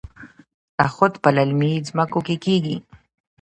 نخود په للمي ځمکو کې کیږي.